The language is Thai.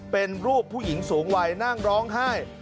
เป็นรูปผู้หญิงสูงวัยนั่งร้องไห้